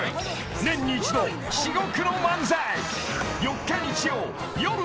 ［年に一度至極の漫才］